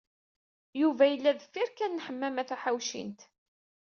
Yuba yella deffir kan n Ḥemmama Taḥawcint.